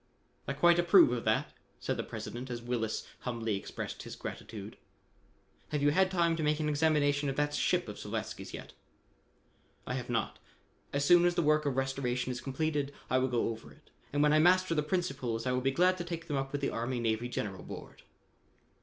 "I quite approve of that," said the President as Willis humbly expressed his gratitude. "Have you had time to make an examination of that ship of Slavatsky's, yet?" "I have not. As soon as the work of restoration is completed, I will go over it, and when I master the principles I will be glad to take them up with the Army Navy General Board."